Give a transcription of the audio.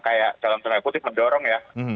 kayak dalam tanda kutip mendorong ya